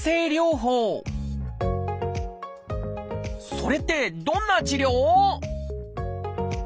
それってどんな治療？